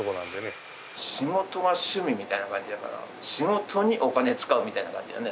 仕事が趣味みたいな感じやから仕事にお金使うみたいな感じやね。